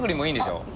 いいですよ